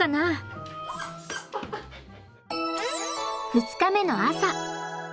２日目の朝。